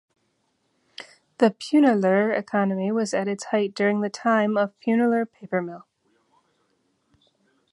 The Punalur economy was at its height during the time of Punalur Paper Mill.